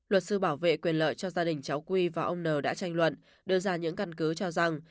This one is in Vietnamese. luật sư bảo vệ quyền lợi cho gia đình cháu quy và ông n đã tranh luận đưa ra những căn cứ cho rằng